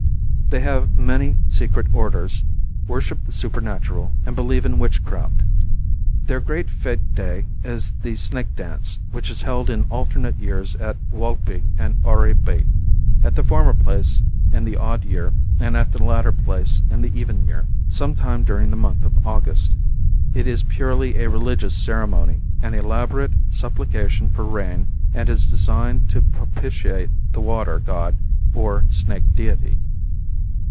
They have many secret orders, worship the supernatural, and believe in witchcraft. Their great fete day is the Snake Dance, which is held in alternate years at Walpi and Oraibi, at the former place in the odd year and at the latter place in the even year, some time during the month of August. It is purely a religious ceremony, an elaborate supplication for rain, and is designed to propitiate the water god or snake deity.